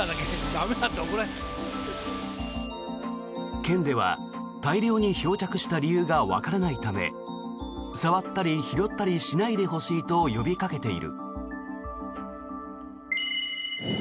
県では、大量に漂着した理由がわからないため触ったり拾ったりしないでほしいと呼びかけている。